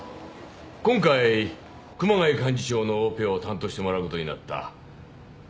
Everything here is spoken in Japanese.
今回熊谷幹事長のオペを担当してもらうことになった五島先生だ。